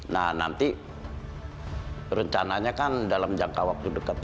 nah nanti rencananya kan dalam jangka waktu dekat